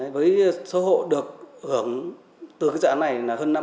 với số hộ được hưởng từ cái dự án này là hơn năm trăm linh tỷ